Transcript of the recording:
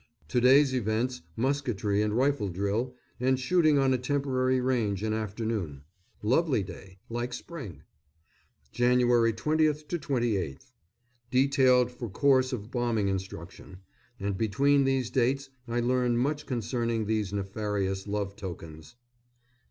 To day's events, musketry and rifle drill, and shooting on a temporary range in afternoon. Lovely day like spring. Jan. 20th to 28th. Detailed for course of bombing instruction; and between these dates I learn much concerning these nefarious love tokens.